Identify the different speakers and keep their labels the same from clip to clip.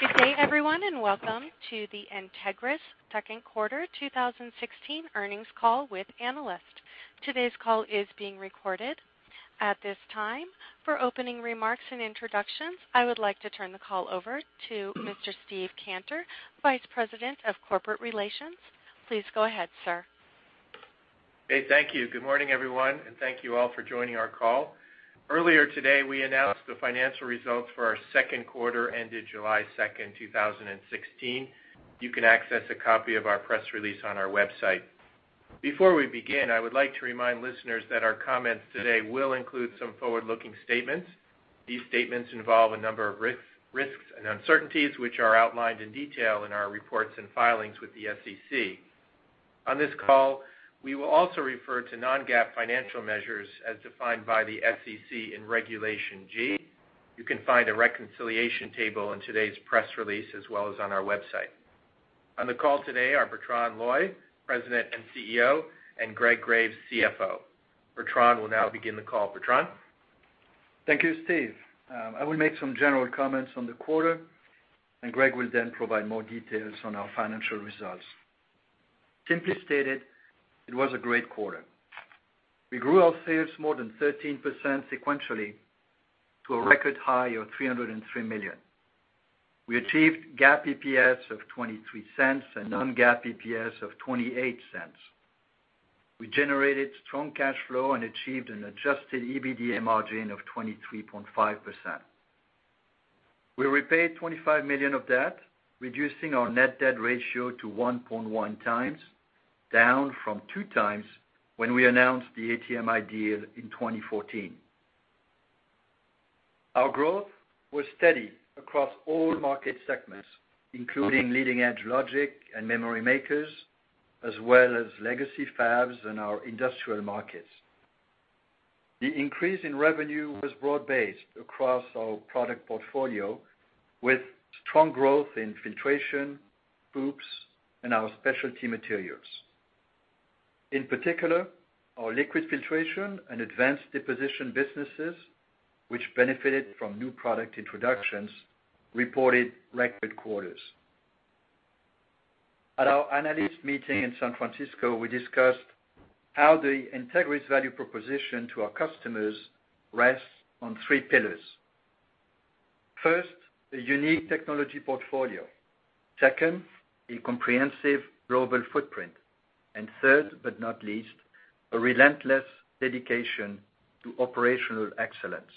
Speaker 1: Good day, everyone, and welcome to the Entegris Second Quarter 2016 Earnings Call with analyst. Today's call is being recorded. At this time, for opening remarks and introductions, I would like to turn the call over to Mr. Steve Cantor, Vice President of Corporate Relations. Please go ahead, sir.
Speaker 2: Hey, thank you. Good morning, everyone, and thank you all for joining our call. Earlier today, we announced the financial results for our second quarter ended July 2nd, 2016. You can access a copy of our press release on our website. Before we begin, I would like to remind listeners that our comments today will include some forward-looking statements. These statements involve a number of risks and uncertainties, which are outlined in detail in our reports and filings with the SEC. On this call, we will also refer to non-GAAP financial measures as defined by the SEC in Regulation G. You can find a reconciliation table in today's press release, as well as on our website. On the call today are Bertrand Loy, President and CEO, and Greg Graves, CFO. Bertrand will now begin the call. Bertrand?
Speaker 3: Thank you, Steve. I will make some general comments on the quarter, and Greg will then provide more details on our financial results. Simply stated, it was a great quarter. We grew our sales more than 13% sequentially to a record high of $303 million. We achieved GAAP EPS of $0.23 and non-GAAP EPS of $0.28. We generated strong cash flow and achieved an adjusted EBITDA margin of 23.5%. We repaid $25 million of debt, reducing our net debt ratio to 1.1 times, down from two times when we announced the ATMI deal in 2014. Our growth was steady across all market segments, including leading-edge logic and memory makers, as well as legacy fabs and our industrial markets. The increase in revenue was broad-based across our product portfolio, with strong growth in filtration, tubes, and our specialty materials. In particular, our liquid filtration and advanced deposition businesses, which benefited from new product introductions, reported record quarters. At our analyst meeting in San Francisco, we discussed how the Entegris value proposition to our customers rests on three pillars. First, a unique technology portfolio. Second, a comprehensive global footprint. And third, but not least, a relentless dedication to operational excellence.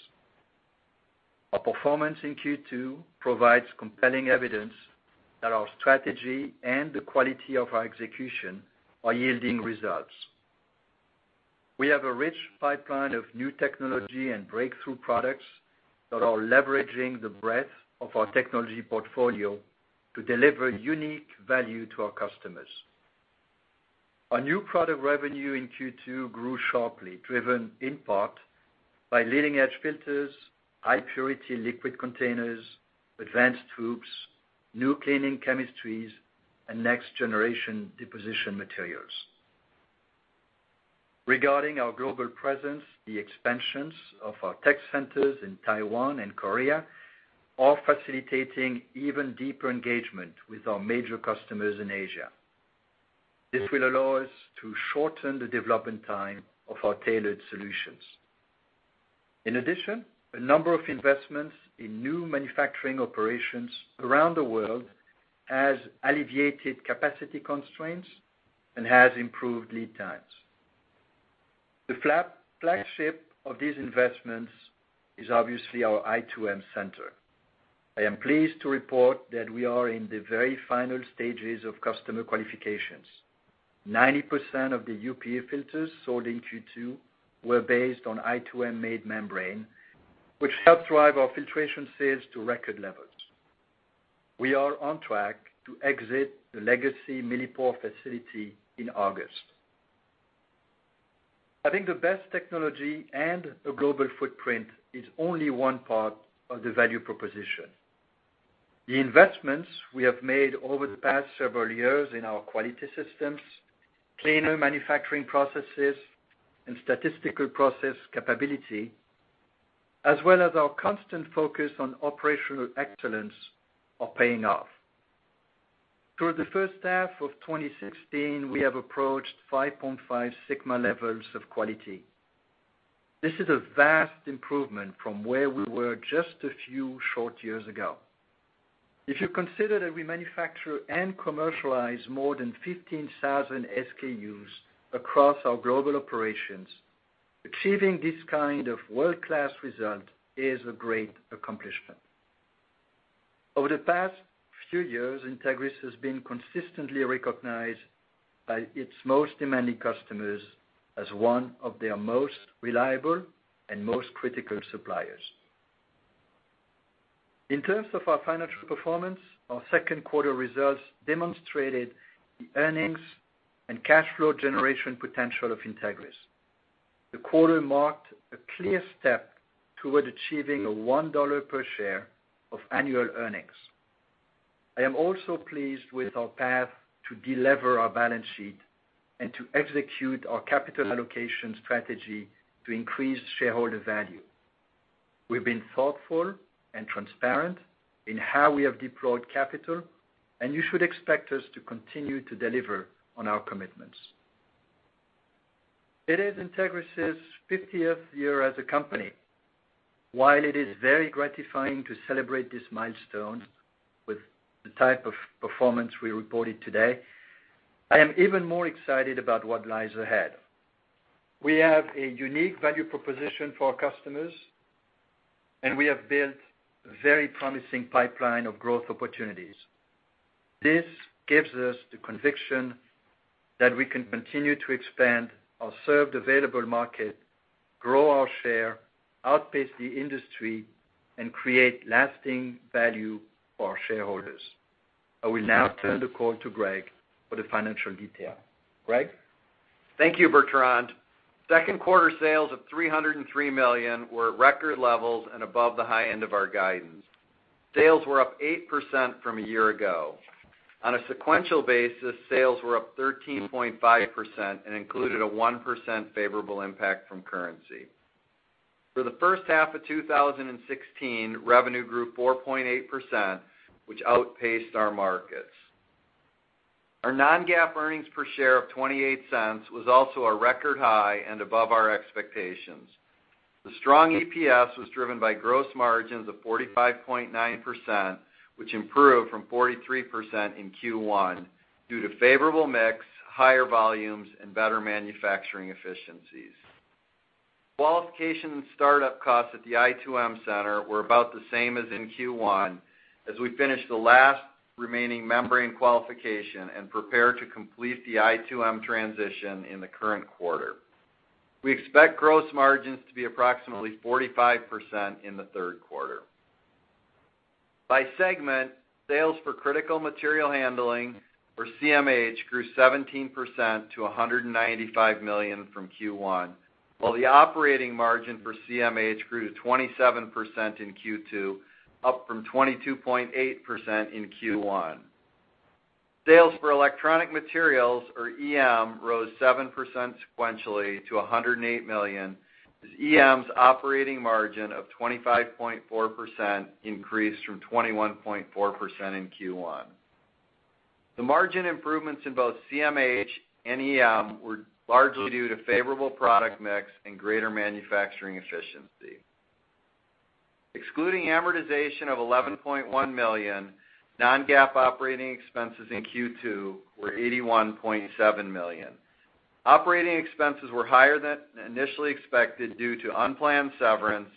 Speaker 3: Our performance in Q2 provides compelling evidence that our strategy and the quality of our execution are yielding results. We have a rich pipeline of new technology and breakthrough products that are leveraging the breadth of our technology portfolio to deliver unique value to our customers. Our new product revenue in Q2 grew sharply, driven in part by leading-edge filters, high-purity liquid containers, advanced tubes, new cleaning chemistries, and next-generation deposition materials. Regarding our global presence, the expansions of our tech centers in Taiwan and Korea are facilitating even deeper engagement with our major customers in Asia. This will allow us to shorten the development time of our tailored solutions. In addition, a number of investments in new manufacturing operations around the world has alleviated capacity constraints and has improved lead times. The flagship of these investments is obviously our I2M center. I am pleased to report that we are in the very final stages of customer qualifications. 90% of the UPF filters sold in Q2 were based on I2M-made membrane, which helped drive our filtration sales to record levels. We are on track to exit the legacy Millipore facility in August. Having the best technology and a global footprint is only one part of the value proposition. The investments we have made over the past several years in our quality systems, cleaner manufacturing processes, and statistical process capability, as well as our constant focus on operational excellence, are paying off. Through the first half of 2016, we have approached 5.5 sigma levels of quality. This is a vast improvement from where we were just a few short years ago. If you consider that we manufacture and commercialize more than 15,000 SKUs across our global operations, achieving this kind of world-class result is a great accomplishment. Over the past few years, Entegris has been consistently recognized by its most demanding customers as one of their most reliable and most critical suppliers. In terms of our financial performance, our second quarter results demonstrated the earnings and cash flow generation potential of Entegris. The quarter marked a clear step toward achieving a $1 per share of annual earnings. I am also pleased with our path to delever our balance sheet. To execute our capital allocation strategy to increase shareholder value. We've been thoughtful and transparent in how we have deployed capital, and you should expect us to continue to deliver on our commitments. It is Entegris' 50th year as a company. While it is very gratifying to celebrate this milestone with the type of performance we reported today, I am even more excited about what lies ahead. We have a unique value proposition for our customers, and we have built a very promising pipeline of growth opportunities. This gives us the conviction that we can continue to expand our served available market, grow our share, outpace the industry, and create lasting value for our shareholders. I will now turn the call to Greg for the financial detail. Greg?
Speaker 4: Thank you, Bertrand. Second quarter sales of $303 million were at record levels and above the high end of our guidance. Sales were up 8% from a year ago. On a sequential basis, sales were up 13.5% and included a 1% favorable impact from currency. For the first half of 2016, revenue grew 4.8%, which outpaced our markets. Our non-GAAP earnings per share of $0.28 was also a record high and above our expectations. The strong EPS was driven by gross margins of 45.9%, which improved from 43% in Q1 due to favorable mix, higher volumes, and better manufacturing efficiencies. Qualification and startup costs at the I2M center were about the same as in Q1, as we finished the last remaining membrane qualification and prepare to complete the I2M transition in the current quarter. We expect gross margins to be approximately 45% in the third quarter. By segment, sales for Critical Material Handling, or CMH, grew 17% to $195 million from Q1, while the operating margin for CMH grew to 27% in Q2, up from 22.8% in Q1. Sales for Electronic Materials, or EM, rose 7% sequentially to $108 million, as EM's operating margin of 25.4% increased from 21.4% in Q1. The margin improvements in both CMH and EM were largely due to favorable product mix and greater manufacturing efficiency. Excluding amortization of $11.1 million, non-GAAP operating expenses in Q2 were $81.7 million. Operating expenses were higher than initially expected due to unplanned severance,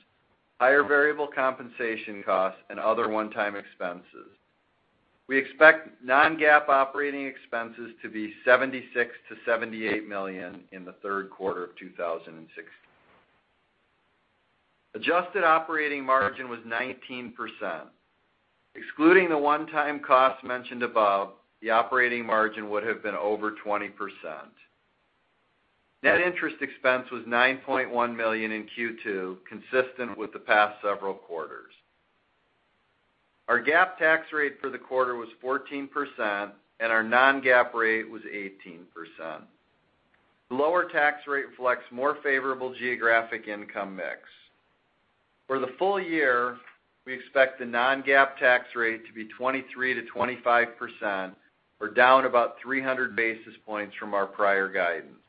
Speaker 4: higher variable compensation costs, and other one-time expenses. We expect non-GAAP operating expenses to be $76 million-$78 million in the third quarter of 2016. Adjusted operating margin was 19%. Excluding the one-time costs mentioned above, the operating margin would have been over 20%. Net interest expense was $9.1 million in Q2, consistent with the past several quarters. Our GAAP tax rate for the quarter was 14%, and our non-GAAP rate was 18%. Lower tax rate reflects more favorable geographic income mix. For the full year, we expect the non-GAAP tax rate to be 23%-25%, or down about 300 basis points from our prior guidance.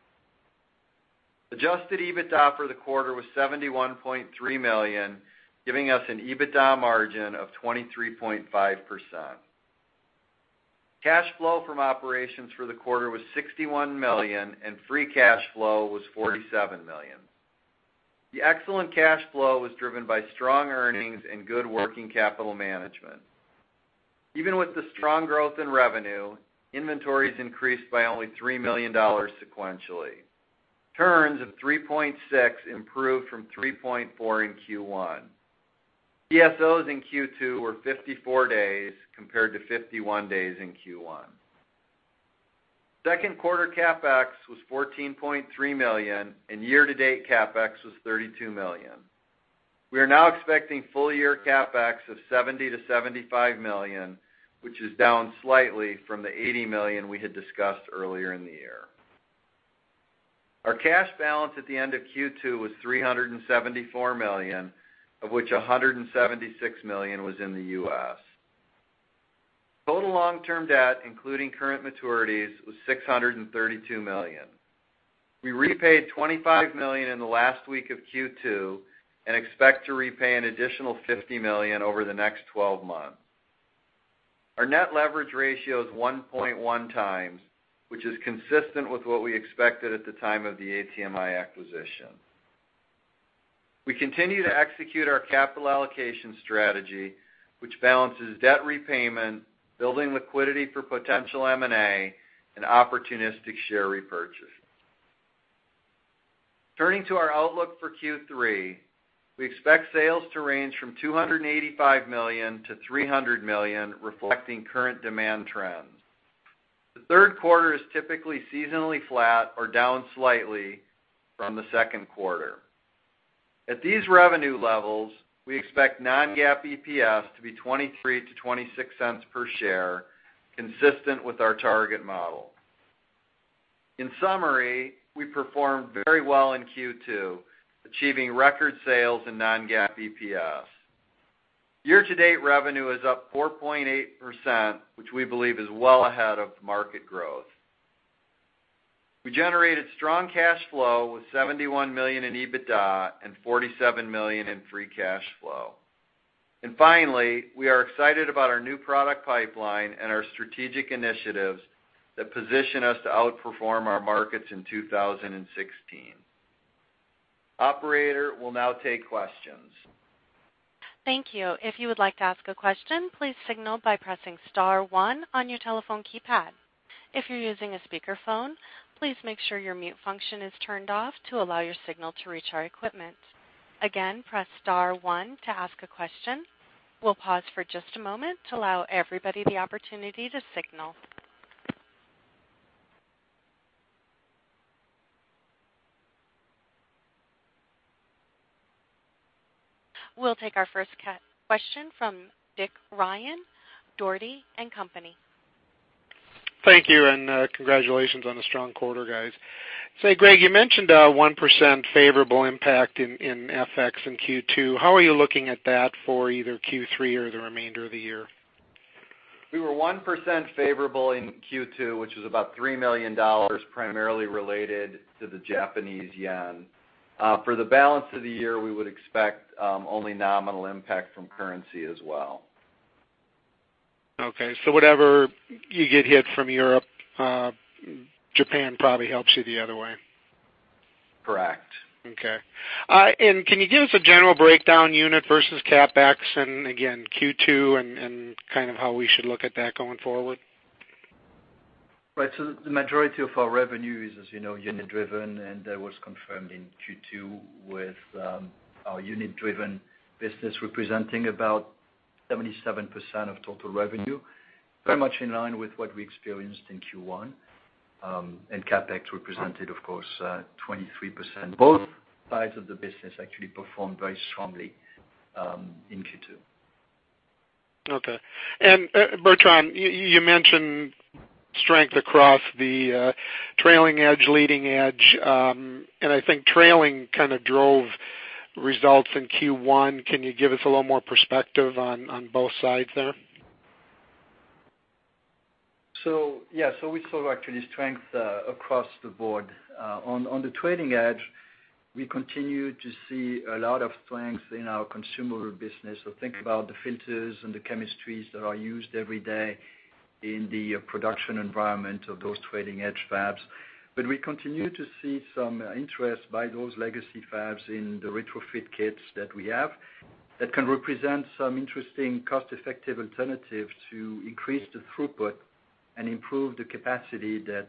Speaker 4: Adjusted EBITDA for the quarter was $71.3 million, giving us an EBITDA margin of 23.5%. Cash flow from operations for the quarter was $61 million, and free cash flow was $47 million. The excellent cash flow was driven by strong earnings and good working capital management. Even with the strong growth in revenue, inventories increased by only $3 million sequentially. Turns of 3.6 improved from 3.4 in Q1. DSOs in Q2 were 54 days compared to 51 days in Q1. Second quarter CapEx was $14.3 million, and year-to-date CapEx was $32 million. We are now expecting full-year CapEx of $70 million-$75 million, which is down slightly from the $80 million we had discussed earlier in the year. Our cash balance at the end of Q2 was $374 million, of which $176 million was in the U.S. Total long-term debt, including current maturities, was $632 million. We repaid $25 million in the last week of Q2 and expect to repay an additional $50 million over the next 12 months. Our net leverage ratio is 1.1 times, which is consistent with what we expected at the time of the ATMI acquisition. We continue to execute our capital allocation strategy, which balances debt repayment, building liquidity for potential M&A, and opportunistic share repurchase. Turning to our outlook for Q3, we expect sales to range from $285 million-$300 million, reflecting current demand trends. The third quarter is typically seasonally flat or down slightly from the second quarter. At these revenue levels, we expect non-GAAP EPS to be $0.23-$0.26 per share, consistent with our target model. In summary, we performed very well in Q2, achieving record sales in non-GAAP EPS. Year-to-date revenue is up 4.8%, which we believe is well ahead of market growth. We generated strong cash flow with $71 million in EBITDA and $47 million in free cash flow. Finally, we are excited about our new product pipeline and our strategic initiatives that position us to outperform our markets in 2016. Operator, we'll now take questions.
Speaker 1: Thank you. If you would like to ask a question, please signal by pressing star one on your telephone keypad. If you're using a speakerphone, please make sure your mute function is turned off to allow your signal to reach our equipment. Again, press star one to ask a question. We'll pause for just a moment to allow everybody the opportunity to signal. We'll take our first question from Dick Ryan, Dougherty & Company.
Speaker 5: Thank you. Congratulations on the strong quarter, guys. Say, Greg, you mentioned a 1% favorable impact in FX in Q2. How are you looking at that for either Q3 or the remainder of the year?
Speaker 4: We were 1% favorable in Q2, which is about $3 million, primarily related to the Japanese yen. For the balance of the year, we would expect only nominal impact from currency as well.
Speaker 5: Okay, whatever you get hit from Europe, Japan probably helps you the other way.
Speaker 4: Correct.
Speaker 5: Okay. Can you give us a general breakdown unit versus CapEx and again, Q2 and kind of how we should look at that going forward?
Speaker 3: Right. The majority of our revenue is, as you know, unit driven, and that was confirmed in Q2 with our unit-driven business representing about 77% of total revenue, very much in line with what we experienced in Q1. CapEx represented, of course, 23%. Both sides of the business actually performed very strongly in Q2.
Speaker 5: Okay. Bertrand, you mentioned strength across the trailing edge, leading edge, and I think trailing kind of drove results in Q1. Can you give us a little more perspective on both sides there?
Speaker 3: Yes. We saw actually strength across the board. On the trailing edge, we continue to see a lot of strength in our consumer business. Think about the filters and the chemistries that are used every day in the production environment of those trailing edge fabs. We continue to see some interest by those legacy fabs in the retrofit kits that we have that can represent some interesting cost-effective alternative to increase the throughput and improve the capacity that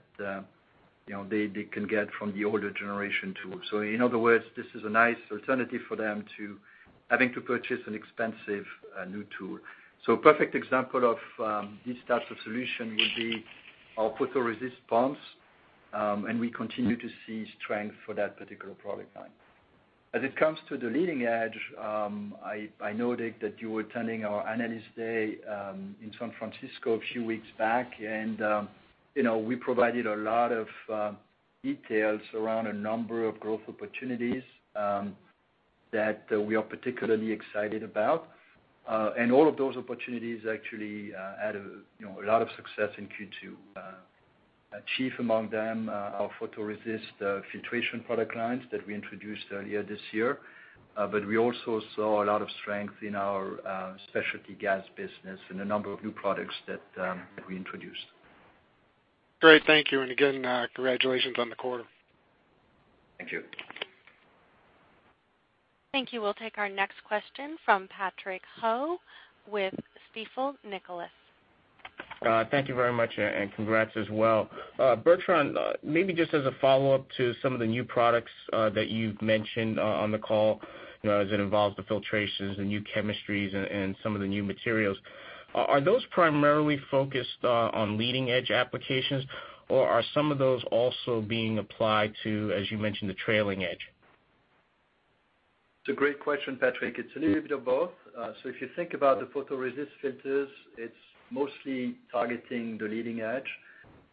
Speaker 3: they can get from the older generation tools. In other words, this is a nice alternative for them to having to purchase an expensive new tool. A perfect example of this type of solution would be our photoresist pumps, and we continue to see strength for that particular product line. As it comes to the leading edge, I know, Dick Ryan, that you were attending our Analyst Day in San Francisco a few weeks back. We provided a lot of details around a number of growth opportunities that we are particularly excited about. All of those opportunities actually had a lot of success in Q2. Chief among them, our photoresist filtration product lines that we introduced earlier this year. We also saw a lot of strength in our specialty gas business in a number of new products that we introduced.
Speaker 5: Great, thank you. Again, congratulations on the quarter.
Speaker 3: Thank you.
Speaker 1: Thank you. We'll take our next question from Patrick Ho with Stifel Nicolaus.
Speaker 6: Thank you very much, and congrats as well. Bertrand, maybe just as a follow-up to some of the new products that you've mentioned on the call. As it involves the filtrations, the new chemistries, and some of the new materials. Are those primarily focused on leading-edge applications, or are some of those also being applied to, as you mentioned, the trailing-edge?
Speaker 3: It's a great question, Patrick. It's a little bit of both. If you think about the photoresist filters, it's mostly targeting the leading-edge.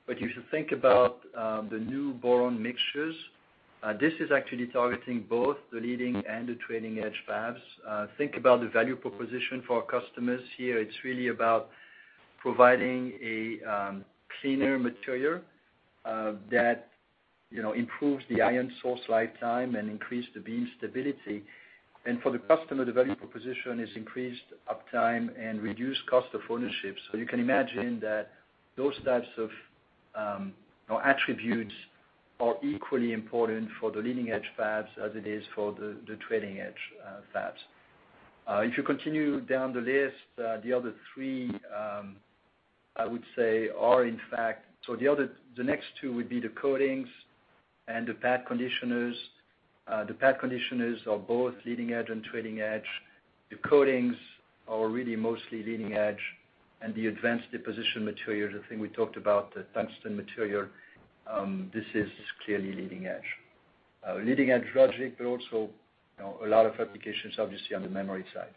Speaker 3: You should think about the new boron mixtures. This is actually targeting both the leading-edge and the trailing-edge fabs. Think about the value proposition for our customers here. It's really about providing a cleaner material that improves the ion source lifetime and increase the beam stability. For the customer, the value proposition is increased uptime and reduced cost of ownership. You can imagine that those types of attributes are equally important for the leading-edge fabs as it is for the trailing-edge fabs. If you continue down the list, the other three, I would say, are in fact. The next two would be the coatings and the pad conditioners. The pad conditioners are both leading-edge and trailing-edge. The coatings are really mostly leading-edge. The advanced deposition material, the thing we talked about, the tungsten material, this is clearly leading-edge. Leading-edge logic. Also a lot of applications, obviously, on the memory side.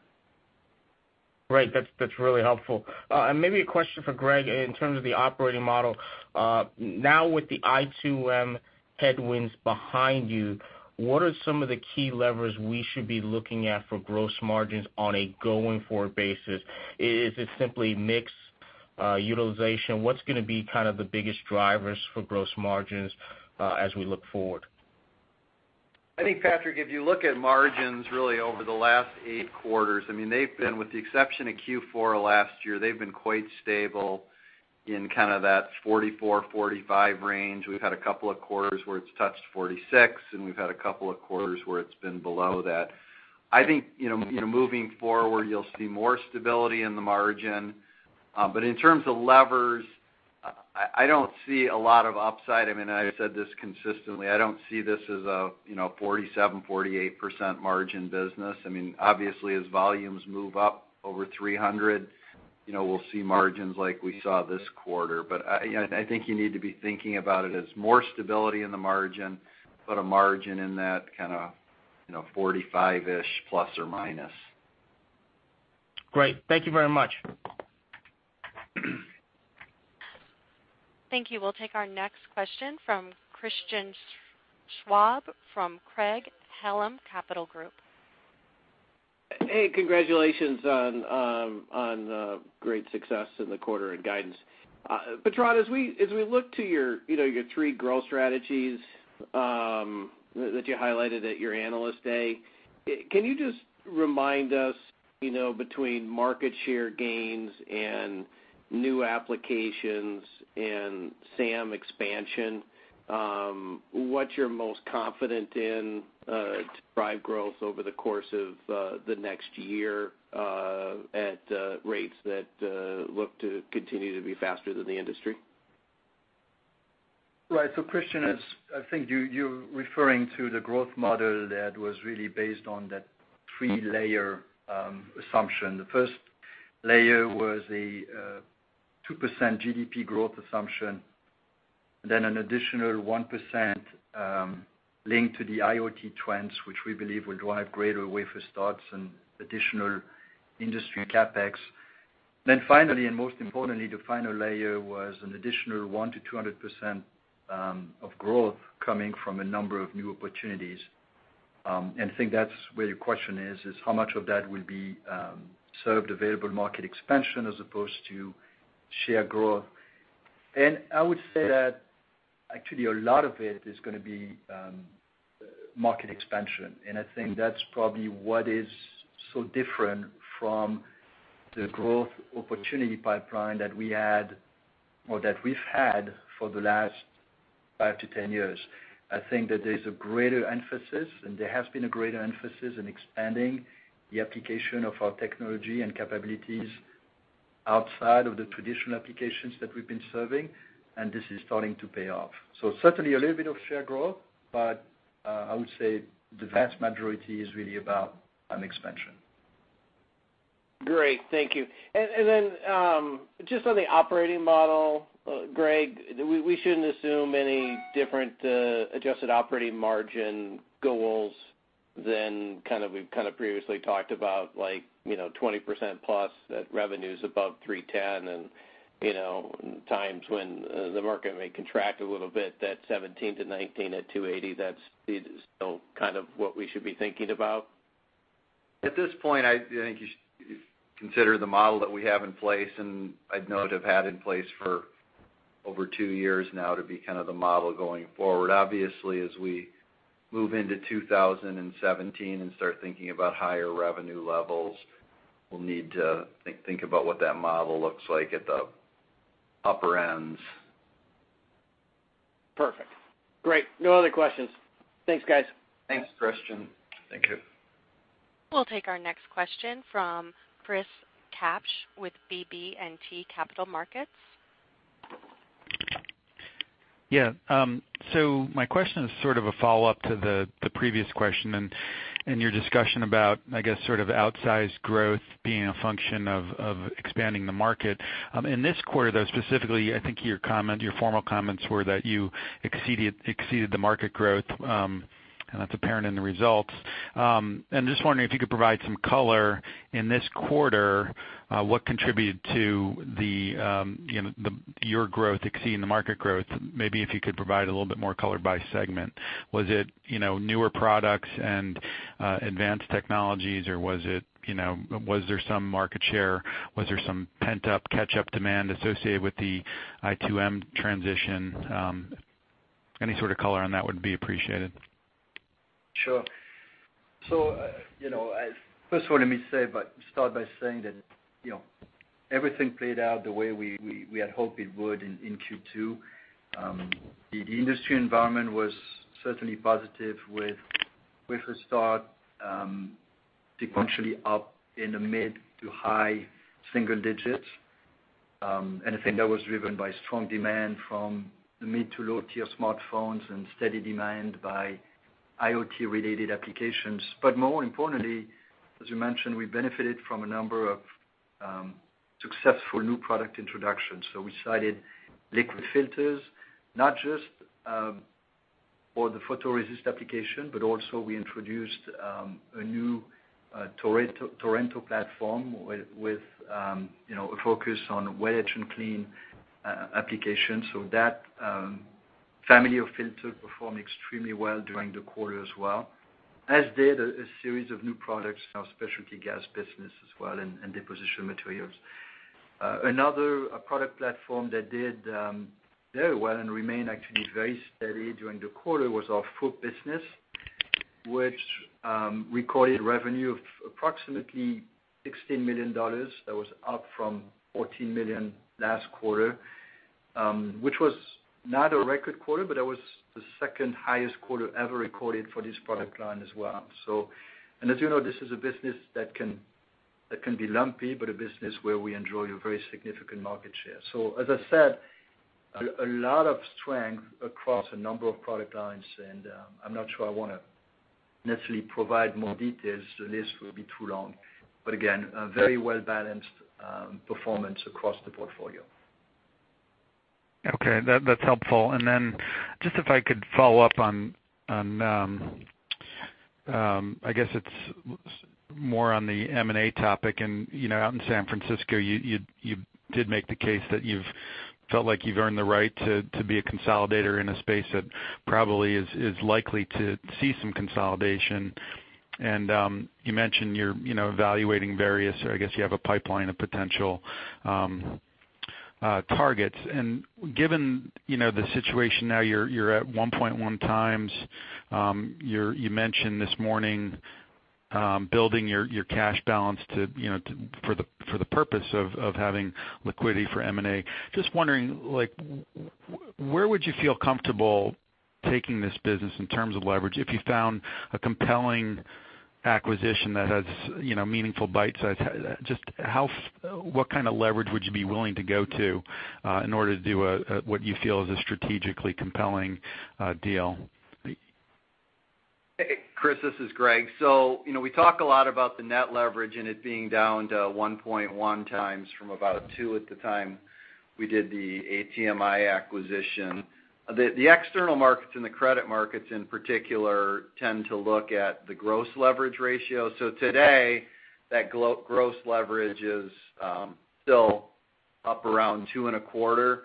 Speaker 6: Great. That's really helpful. Maybe a question for Greg in terms of the operating model. Now with the I2M headwinds behind you, what are some of the key levers we should be looking at for gross margins on a going-forward basis? Is it simply mix utilization? What's going to be the biggest drivers for gross margins as we look forward?
Speaker 4: I think, Patrick Ho, if you look at margins really over the last 8 quarters, they've been, with the exception of Q4 last year, they've been quite stable in that 44%-45% range. We've had a couple of quarters where it's touched 46%, and we've had a couple of quarters where it's been below that. I think, moving forward, you'll see more stability in the margin. In terms of levers, I don't see a lot of upside. I've said this consistently. I don't see this as a 47%-48% margin business. Obviously, as volumes move up over 300, we'll see margins like we saw this quarter. I think you need to be thinking about it as more stability in the margin, but a margin in that kind of 45-ish, plus or minus.
Speaker 6: Great. Thank you very much.
Speaker 1: Thank you. We'll take our next question from Christian Schwab from Craig-Hallum Capital Group.
Speaker 7: Hey, congratulations on the great success in the quarter and guidance. Bertrand, as we look to your three growth strategies that you highlighted at your Analyst Day, can you just remind us, between market share gains and new applications and SAM expansion, what you're most confident in to drive growth over the course of the next year at rates that look to continue to be faster than the industry?
Speaker 3: Christian Schwab, I think you're referring to the growth model that was really based on that three-layer assumption. The first layer was a 2% GDP growth assumption, an additional 1% linked to the IoT trends, which we believe will drive greater wafer starts and additional industry CapEx. Finally, and most importantly, the final layer was an additional 100%-200% of growth coming from a number of new opportunities. I think that's where your question is how much of that will be served available market expansion as opposed to share growth. I would say that actually a lot of it is going to be market expansion, and I think that's probably what is so different from the growth opportunity pipeline that we had or that we've had for the last 5-10 years. I think that there's a greater emphasis, there has been a greater emphasis in expanding the application of our technology and capabilities outside of the traditional applications that we've been serving, and this is starting to pay off. Certainly a little bit of share growth, but I would say the vast majority is really about expansion.
Speaker 7: Great. Thank you. Just on the operating model, Greg Graves, we shouldn't assume any different adjusted operating margin goals than we've previously talked about, like, 20%+ at revenues above $310 million and times when the market may contract a little bit, that 17%-19% at $280 million, that's still kind of what we should be thinking about?
Speaker 4: At this point, I think you should consider the model that we have in place, I'd note have had in place for over two years now to be kind of the model going forward. Obviously, as we move into 2017 and start thinking about higher revenue levels, we'll need to think about what that model looks like at the upper ends.
Speaker 7: Perfect. Great. No other questions. Thanks, guys.
Speaker 3: Thanks, Christian.
Speaker 4: Thank you.
Speaker 1: We'll take our next question from Chris Kapsch with BB&T Capital Markets.
Speaker 8: My question is sort of a follow-up to the previous question and your discussion about, I guess, sort of outsized growth being a function of expanding the market. In this quarter, though, specifically, I think your formal comments were that you exceeded the market growth, and that's apparent in the results. Just wondering if you could provide some color in this quarter, what contributed to your growth exceeding the market growth. Maybe if you could provide a little bit more color by segment. Was it newer products and advanced technologies, or was there some market share? Was there some pent-up catch-up demand associated with the I2M transition? Any sort of color on that would be appreciated.
Speaker 3: Sure. First of all, let me start by saying that everything played out the way we had hoped it would in Q2. The industry environment was certainly positive with the start sequentially up in the mid to high single digits. I think that was driven by strong demand from the mid to low-tier smartphones and steady demand by IoT related applications. More importantly, as you mentioned, we benefited from a number of successful new product introductions. We cited liquid filters, not just for the photoresist application, but also we introduced a new Torrento platform with a focus on wet etch and clean applications. That family of filters performed extremely well during the quarter as well, as did a series of new products in our specialty gas business as well, and deposition materials. Another product platform that did very well and remained actually very steady during the quarter was our fluid business, which recorded revenue of approximately $16 million. That was up from $14 million last quarter, which was not a record quarter, but that was the second highest quarter ever recorded for this product line as well. As you know, this is a business that can be lumpy, but a business where we enjoy a very significant market share. As I said, a lot of strength across a number of product lines, and I'm not sure I want to necessarily provide more details. The list will be too long. Again, a very well-balanced performance across the portfolio.
Speaker 8: Okay. That's helpful. Then just if I could follow up on, I guess it's more on the M&A topic. Out in San Francisco, you did make the case that you've felt like you've earned the right to be a consolidator in a space that probably is likely to see some consolidation. You mentioned you're evaluating various, or I guess you have a pipeline of potential targets. Given the situation now, you're at 1.1 times. You mentioned this morning building your cash balance for the purpose of having liquidity for M&A. Just wondering, where would you feel comfortable taking this business in terms of leverage if you found a compelling acquisition that has meaningful bite size? Just what kind of leverage would you be willing to go to, in order to do what you feel is a strategically compelling deal?
Speaker 4: Chris, this is Greg. We talk a lot about the net leverage and it being down to 1.1 times from about two at the time we did the ATMI acquisition. The external markets and the credit markets in particular, tend to look at the gross leverage ratio. Today, that gross leverage is still up around 2.25.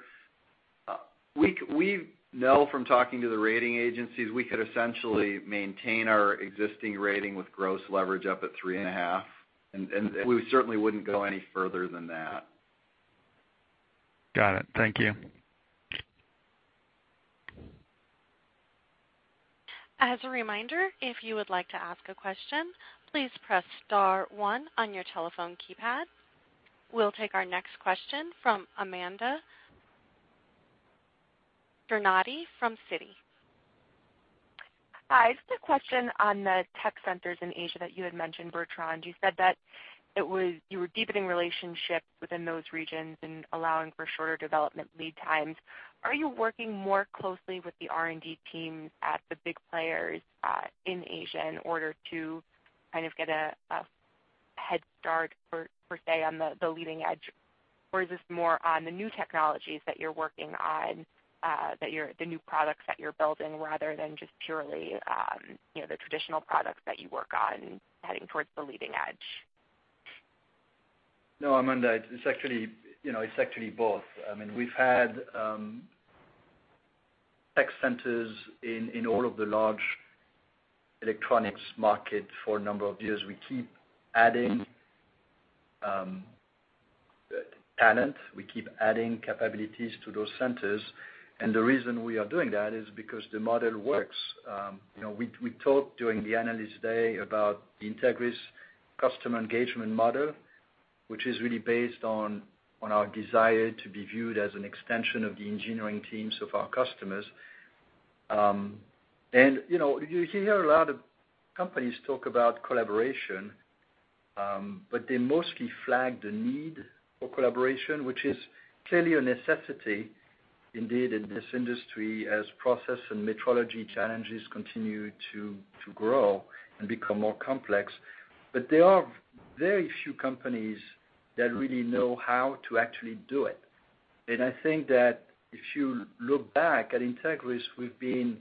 Speaker 4: We know from talking to the rating agencies, we could essentially maintain our existing rating with gross leverage up at 3.5, and we certainly wouldn't go any further than that.
Speaker 8: Got it. Thank you.
Speaker 1: As a reminder, if you would like to ask a question, please press star one on your telephone keypad. We'll take our next question from Amanda Scarnati from Citi.
Speaker 9: Hi, just a question on the tech centers in Asia that you had mentioned, Bertrand. You said that you were deepening relationships within those regions and allowing for shorter development lead times. Are you working more closely with the R&D teams at the big players, in Asia, in order to kind of get a head start, per se, on the leading edge? Or is this more on the new technologies that you're working on, the new products that you're building, rather than just purely the traditional products that you work on heading towards the leading edge?
Speaker 3: No, Amanda, it's actually both. We've had tech centers in all of the large electronics market for a number of years. We keep adding talent, we keep adding capabilities to those centers. The reason we are doing that is because the model works. We talked during the analyst day about Entegris customer engagement model, which is really based on our desire to be viewed as an extension of the engineering teams of our customers. You hear a lot of companies talk about collaboration, but they mostly flag the need for collaboration, which is clearly a necessity, indeed, in this industry as process and metrology challenges continue to grow and become more complex. There are very few companies that really know how to actually do it. I think that if you look back at Entegris, we've been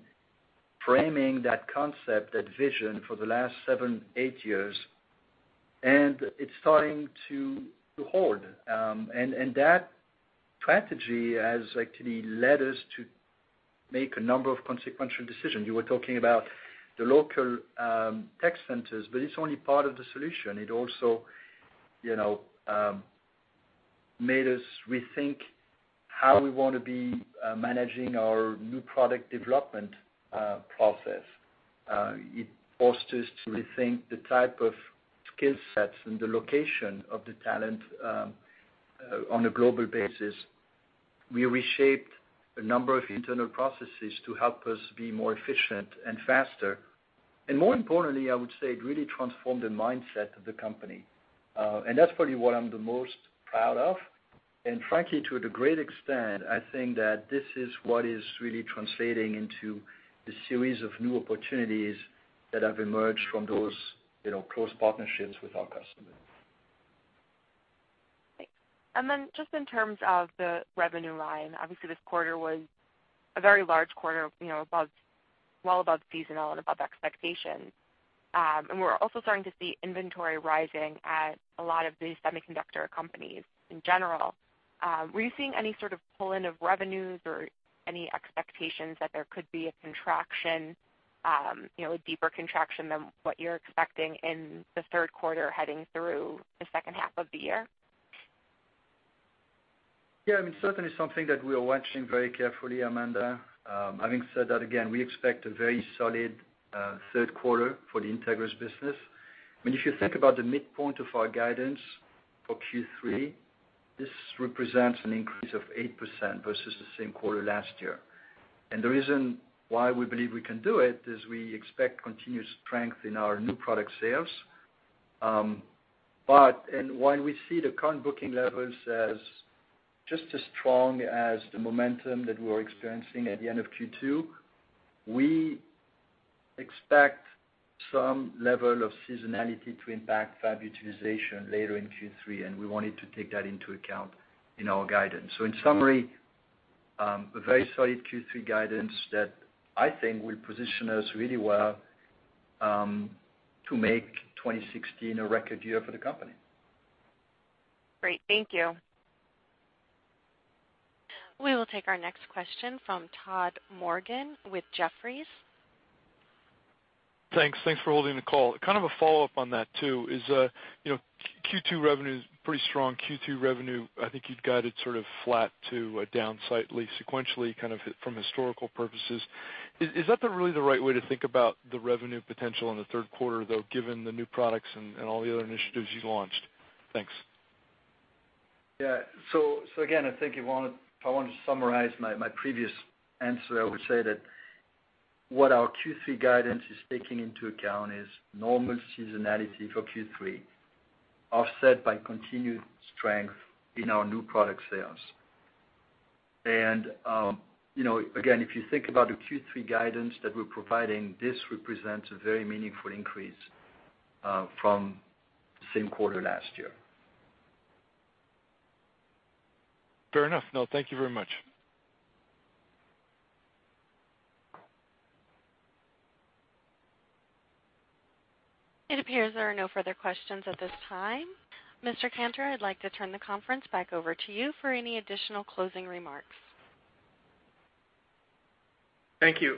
Speaker 3: framing that concept, that vision for the last seven, eight years, and it's starting to hold. That strategy has actually led us to make a number of consequential decisions. You were talking about the local tech centers, but it's only part of the solution. It also made us rethink how we want to be managing our new product development process. It forced us to rethink the type of skill sets and the location of the talent on a global basis. We reshaped a number of internal processes to help us be more efficient and faster. More importantly, I would say, it really transformed the mindset of the company. That's probably what I'm the most proud of. Frankly, to a great extent, I think that this is what is really translating into the series of new opportunities that have emerged from those close partnerships with our customers.
Speaker 9: Thanks. Then just in terms of the revenue line, obviously this quarter was a very large quarter, well above seasonal and above expectations. We're also starting to see inventory rising at a lot of these semiconductor companies in general. Were you seeing any sort of pull-in of revenues or any expectations that there could be a deeper contraction than what you're expecting in the third quarter heading through the second half of the year?
Speaker 3: Certainly something that we are watching very carefully, Amanda. Having said that, again, we expect a very solid third quarter for the Entegris business. If you think about the midpoint of our guidance for Q3, this represents an increase of 8% versus the same quarter last year. The reason why we believe we can do it is we expect continued strength in our new product sales. While we see the current booking levels as just as strong as the momentum that we were experiencing at the end of Q2, we expect some level of seasonality to impact fab utilization later in Q3, and we wanted to take that into account in our guidance. In summary, a very solid Q3 guidance that I think will position us really well to make 2016 a record year for the company.
Speaker 9: Great. Thank you.
Speaker 1: We will take our next question from Todd Morgan with Jefferies.
Speaker 10: Thanks for holding the call. Kind of a follow-up on that too is, Q2 revenue's pretty strong. Q2 revenue, I think you'd guided sort of flat to a down slightly sequentially, kind of from historical purposes. Is that the really the right way to think about the revenue potential in the third quarter, though, given the new products and all the other initiatives you launched? Thanks.
Speaker 3: Yeah. Again, I think if I wanted to summarize my previous answer, I would say that what our Q3 guidance is taking into account is normal seasonality for Q3, offset by continued strength in our new product sales. Again, if you think about the Q3 guidance that we're providing, this represents a very meaningful increase from the same quarter last year.
Speaker 10: Fair enough. No, thank you very much.
Speaker 1: It appears there are no further questions at this time. Mr. Cantor, I'd like to turn the conference back over to you for any additional closing remarks.
Speaker 2: Thank you.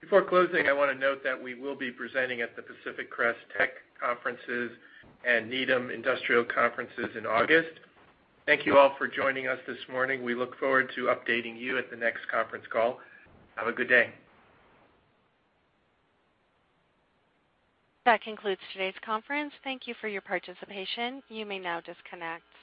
Speaker 2: Before closing, I want to note that we will be presenting at the Pacific Crest Tech Conferences and Needham Industrial Conferences in August. Thank you all for joining us this morning. We look forward to updating you at the next conference call. Have a good day.
Speaker 1: That concludes today's conference. Thank you for your participation. You may now disconnect.